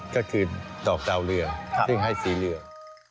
ก็คือตอบดาวเหลืองซึ่งให้สีเหลือง